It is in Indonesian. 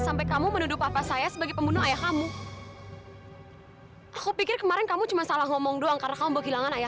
sampai jumpa di video selanjutnya